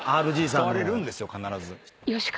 使われるんですよ必ず。